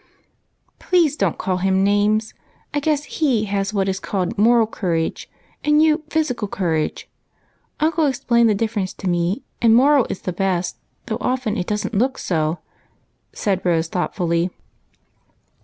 " Please don't call him names ! I guess he has what is called moral courage, and you physical courage. Uncle explained the difference to me, and moral is the best, though often it doesn't look so," said Rose thoughtfully.